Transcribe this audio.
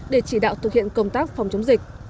để chỉ đạo thực hiện công tác phòng chống dịch